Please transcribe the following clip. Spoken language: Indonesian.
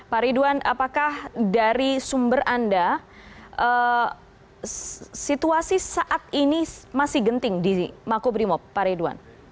pak ridwan apakah dari sumber anda situasi saat ini masih genting di makobrimob pak ridwan